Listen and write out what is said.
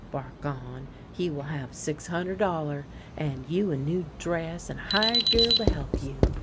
Bargon he will have six hun der' dollar, and you a new dress and a hired girl to help you.'